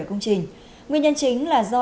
ở công trình nguyên nhân chính là do